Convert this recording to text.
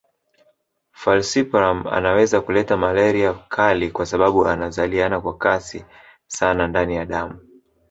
Falciparum anaweza kuleta malaria kali kwa sababu anazaliana kwa kasi sana ndani ya damu